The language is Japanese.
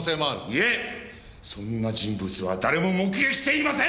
いえそんな人物は誰も目撃していません！